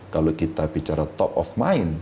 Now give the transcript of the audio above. kalau kita bicara top of mind